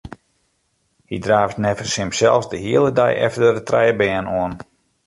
Hy draaft neffens himsels de hiele dei efter de trije bern oan.